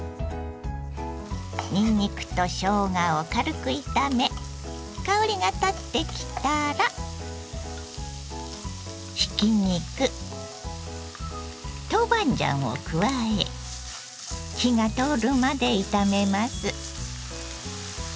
にんにくとしょうがを軽く炒め香りがたってきたらひき肉豆板醤を加え火が通るまで炒めます。